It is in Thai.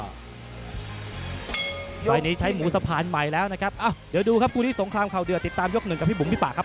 รายนี้ใช้หมูสะพานใหม่แล้วนะครับเดี๋ยวดูครับคู่นี้สงครามข่าวเดือดติดตามยกหนึ่งกับพี่บุ๋มพี่ป่าครับ